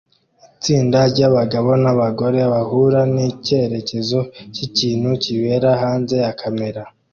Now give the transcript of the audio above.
Itsinda ryabagabo nabagore bahura nicyerekezo cyikintu kibera hanze ya kamera